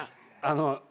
あの。